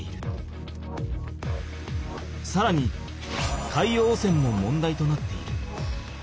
さらに海洋汚染も問題となっている。